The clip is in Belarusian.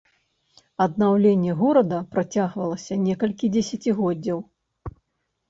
Аднаўленне горада працягвалася некалькі дзесяцігоддзяў.